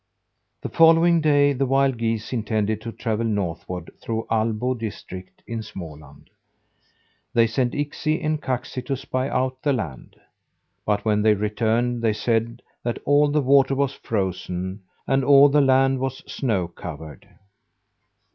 The following day the wild geese intended to travel northward through Allbo district, in Småland. They sent Iksi and Kaksi to spy out the land. But when they returned, they said that all the water was frozen, and all the land was snow covered.